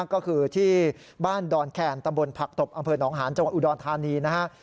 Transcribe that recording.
ก็คือที่บ้านดอนแคนตำบลผักตบอำเภอหนองหาญจังหวัดอุดรธานีนะฮะ